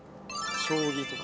将棋とか。